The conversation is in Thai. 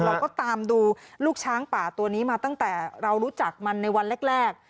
เราก็ตามดูลูกช้างป่าตัวนี้มาตั้งแต่เรารู้จักมันในวันแรก